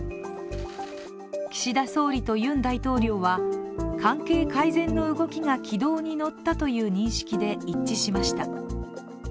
岸田総理とユン大統領は、関係改善の動きが軌道に乗ったという認識で一致しました。